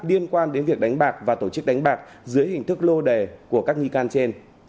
liên quan đến việc đánh bạc và tổ chức đánh bạc dưới hình thức lô đề